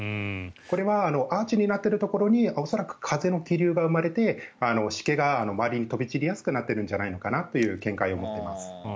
これはアーチになっているところに恐らく風の気流が生まれて湿気が周りに飛び散りやすくなっているんじゃないかという見解を持っています。